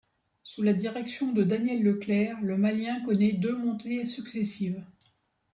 Sous la direction de Daniel Leclercq, le Malien connait deux montées successives.